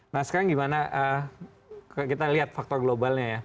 nah sekarang gimana kita lihat faktor globalnya ya